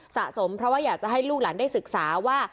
สะสมเพราะว่าอยากจะให้ลูกหลานได้ศึกษาว่า